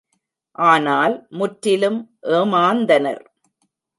ஆனால் முற்றிலும் ஏமாந்தனர்.